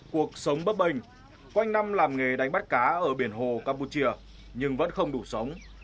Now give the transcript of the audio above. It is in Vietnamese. cuộc sống bấp bềnh quanh năm làm nghề đánh bắt cá ở biển hồ campuchia nhưng vẫn không đủ sống